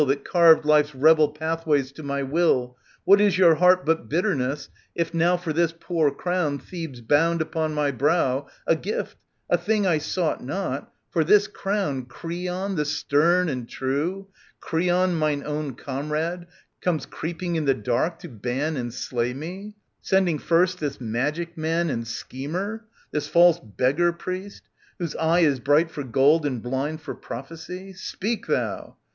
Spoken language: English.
[[~ That carved life's rebel pathways to my will, What is your heart but bitterness, if now For this poor crown Thebes bound upon my brow, A gift, a thing I sought not — for this crown Creon the stern and true, Creon mine own Comrade, comes creeping in the dark to ban And slay me ; sending first this magic man And schemer, this false beggar priest, whose eye Is bright for gold and blind for prophecy ? Speak, thou.